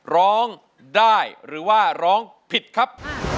ร้องได้หรือว่าร้องผิดครับ